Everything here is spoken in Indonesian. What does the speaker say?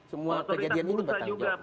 semua kejadian ini bertanggung jawab